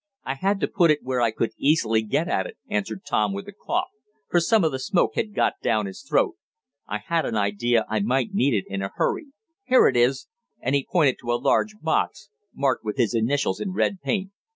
"I had it put where I could easily get at it," answered Tom with a cough, for some of the smoke had got down his throat. "I had an idea I might need it in a hurry. Here it is!" and he pointed to a large box, marked with his initials in red paint.